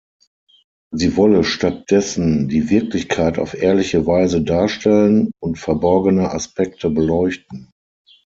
Sie wolle stattdessen die Wirklichkeit auf ehrliche Weise darstellen und verborgene Aspekte beleuchten.